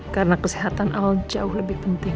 karena kesehatan al jauh lebih penting